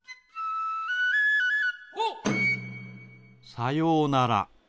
さようなら。